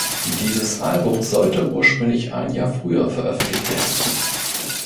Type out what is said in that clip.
Dieses Album sollte ursprünglich ein Jahr früher veröffentlicht werden.